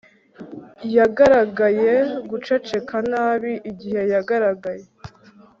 Yagaragaye guceceka nabi igihe yagaragaye